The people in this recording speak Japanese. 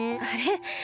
あれ？